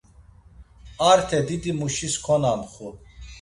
Arte didimuşis konamxu.